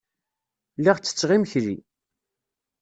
Lliɣ ttetteɣ imekli.